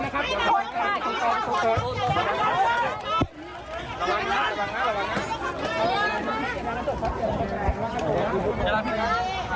ขอบคุณค่ะ